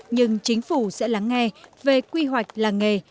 nhưng chính phủ sẽ lắng nghe về quy hoạch làng nghề